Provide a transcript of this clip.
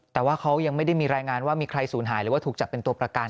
แต่ว่าเขายังไม่ได้มีรายงานว่ามีใครสูญหายหรือว่าถูกจับเป็นตัวประกัน